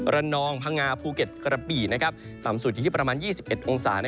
นองพังงาภูเก็ตกระบี่ต่ำสุดอยู่ที่ประมาณ๒๑องศา